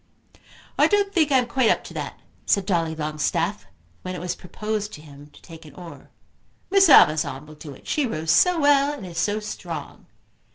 "I don't think I am quite up to that," said Dolly Longstaff, when it was proposed to him to take an oar. "Miss Amazon will do it. She rows so well, and is so strong."